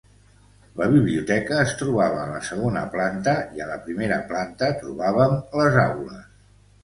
La biblioteca es trobava a la segona planta i a la primera planta trobàvem les aules.